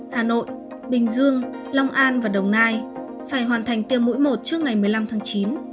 hà nội bình dương long an và đồng nai phải hoàn thành tiêm mũi một trước ngày một mươi năm tháng chín